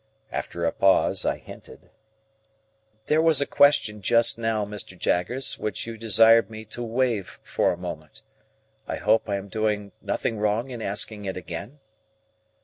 After a pause, I hinted,— "There was a question just now, Mr. Jaggers, which you desired me to waive for a moment. I hope I am doing nothing wrong in asking it again?"